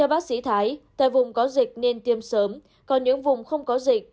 ba bác sĩ thái tại vùng có dịch nên tiêm sớm còn những vùng không có dịch